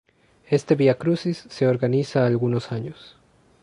Este Via Crucis se organiza algunos años.